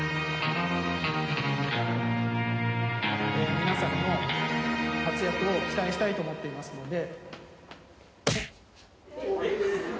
皆さんの活躍を期待したいと思っていますので。